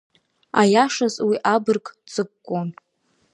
Аиашаз уи абырг дҵыкәкәон.